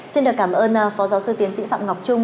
xin được cảm ơn phó giáo sư tiến sĩ phạm ngọc trung